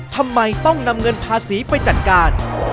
ทำไมต้องนำเงินภาษีไปจัดการ